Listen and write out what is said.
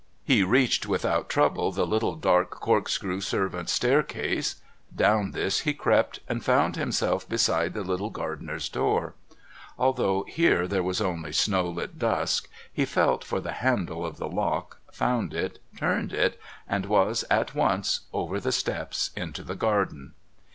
He reached without trouble the little dark corkscrew servants' staircase. Down this he crept, and found himself beside the little gardener's door. Although here there was only snow lit dusk, he felt for the handle of the lock, found it, turned it, and was, at once, over the steps, into the garden.